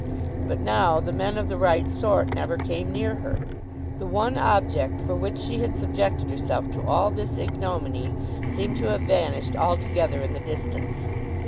But now the men of the right sort never came near her. The one object for which she had subjected herself to all this ignominy seemed to have vanished altogether in the distance.